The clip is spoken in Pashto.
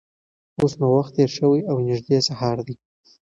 اوس نو وخت تېر شوی او نږدې سهار دی.